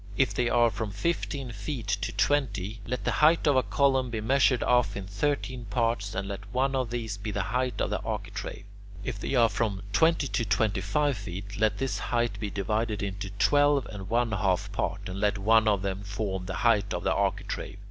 If they are from fifteen feet to twenty, let the height of a column be measured off into thirteen parts, and let one of these be the height of the architrave. If they are from twenty to twenty five feet, let this height be divided into twelve and one half parts, and let one of them form the height of the architrave.